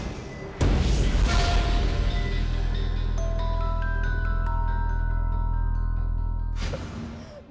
ยอดทรายการ